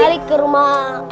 balik ke rumah